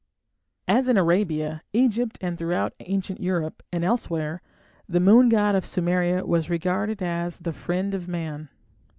As in Arabia, Egypt, and throughout ancient Europe and elsewhere, the moon god of Sumeria was regarded as the "friend of man".